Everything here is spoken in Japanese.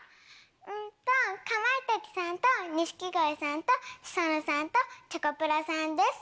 うんとかまいたちさんと錦鯉さんとシソンヌさんとチョコプラさんです。